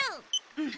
うん。